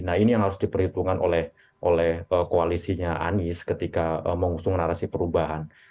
nah ini yang harus diperhitungkan oleh koalisinya anies ketika mengusung narasi perubahan